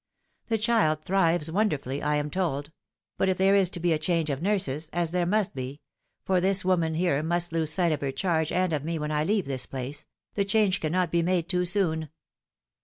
The child thrives wonderfully, I am told ; but if there is to be a change of nurses, as there must be for this woman here must lose sight of her charge and of me when I leave this place the change cannot be made too soon.